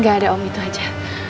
gak ada om itu aja